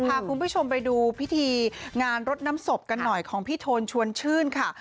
พาคุณผู้ชมไปดูพิธีงานรดน้ำศพกันหน่อยของพี่โทนชวนชื่นค่ะ